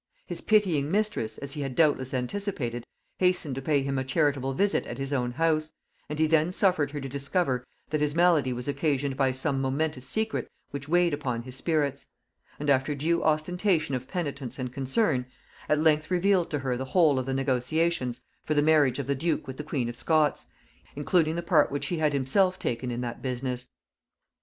His pitying mistress, as he had doubtless anticipated, hastened to pay him a charitable visit at his own house, and he then suffered her to discover that his malady was occasioned by some momentous secret which weighed upon his spirits; and after due ostentation of penitence and concern, at length revealed to her the whole of the negotiations for the marriage of the duke with the queen of Scots, including the part which he had himself taken in that business.